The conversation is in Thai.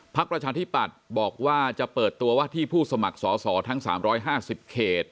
ประชาธิปัตย์บอกว่าจะเปิดตัวว่าที่ผู้สมัครสอสอทั้ง๓๕๐เขต